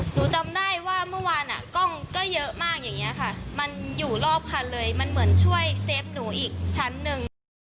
หนูจำได้ว่าเมื่อวานอ่ะกล้องก็เยอะมากอย่างนี้ค่ะมันอยู่รอบคันเลยมันเหมือนช่วยเซฟหนูอีกชั้นหนึ่ง